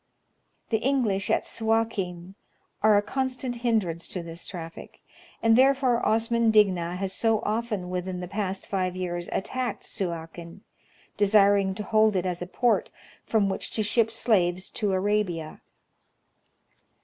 The English at Suakin are a constant hindrance to this traffic ; and therefore Osman Digna has so often within the past five years attacked Suakin, desiring to hold it as a port from which to ship slaves to Arabia.